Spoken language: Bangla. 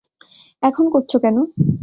এখন করছো কেন?